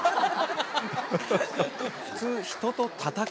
普通。